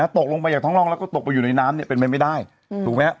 ตกลงไปจากท้องร่องแล้วก็ตกไปอยู่ในน้ำเนี่ยเป็นไปไม่ได้ถูกไหมฮะ